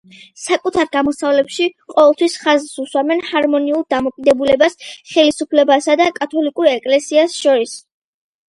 საკუთარ გამოსვლებში ყოველთვის ხაზს უსვამენ ჰარმონიულ დამოკიდებულებას ხელისუფლებასა და კათოლიკურ ეკლესიას შორის.